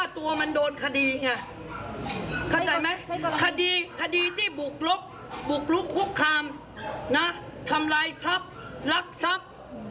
ตัวมันโดนคดีไงคดีที่บุกลุกบุกลุกคุกคามทำร้ายทรัพย์รักทรัพย์